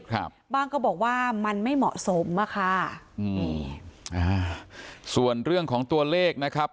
ครับบ้างก็บอกว่ามันไม่เหมาะสมอ่ะค่ะอืมนี่อ่าส่วนเรื่องของตัวเลขนะครับ